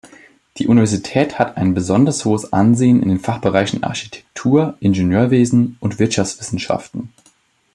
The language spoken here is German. Die Universität hat ein besonders hohes Ansehen in den Fachbereichen Architektur, Ingenieurwesen und Wirtschaftswissenschaften.